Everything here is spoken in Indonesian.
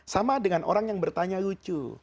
sama dengan orang yang bertanya lucu